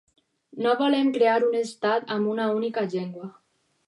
No volem crear un estat amb una única llengua.